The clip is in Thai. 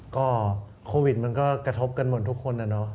ก็โควิดมันก็กระทบกันหมดทุกคนอะเนาะ